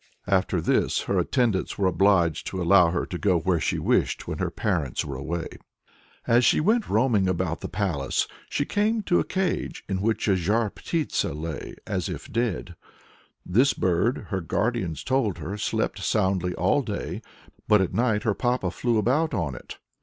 After this her attendants were obliged to allow her to go where she wished, when her parents were away. As she went roaming about the palace she came to a cage "in which a Zhar Ptitsa, lay [as if] dead." This bird, her guardians told her, slept soundly all day, but at night her papa flew about on it.